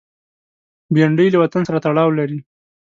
بېنډۍ له وطن سره تړاو لري